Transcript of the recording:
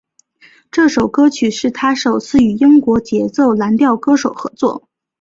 这首歌曲是他首次与英国节奏蓝调歌手合作。